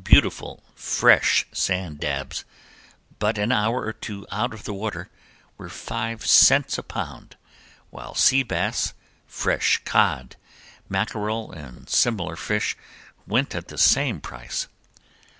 Beautiful, fresh sand dabs, but an hour or two out of the water, were five cents a pound, while sea bass, fresh cod, mackerel, and similar fish went at the same price.